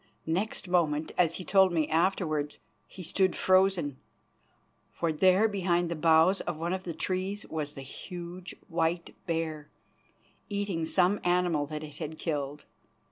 Next moment, as he told me afterwards, he stood frozen, for there behind the boughs of one of the trees was the huge white bear, eating some animal that it had killed.